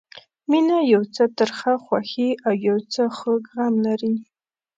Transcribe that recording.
مینه یو څه ترخه خوښي او یو څه خوږ غم لري.